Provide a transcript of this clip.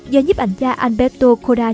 do nhiếp ảnh gia alberto cora